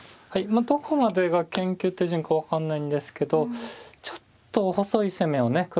はいどこまでが研究手順か分かんないんですけどちょっと細い攻めをね